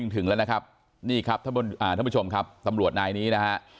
ถึงแล้วนะครับนี่ครับท่านผู้ชมครับตำรวจนายนี้นะฮะ